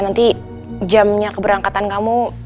nanti jamnya keberangkatan kamu